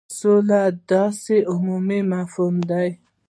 سوله داسي عمومي مفهوم دی.